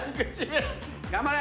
頑張れ！